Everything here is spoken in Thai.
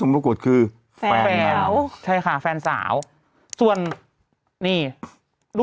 นางหนุ่มมองข้างหลังอีกแล้วเนี่ย